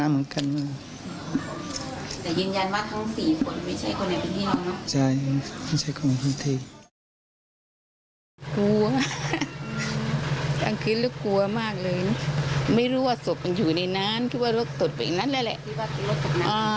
ไม่รู้ว่าศพมันอยู่ในน้ำคิดว่ารถตกไปนั่นแหละ